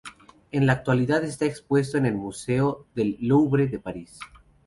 En la actualidad está expuesto en el Museo del Louvre de París.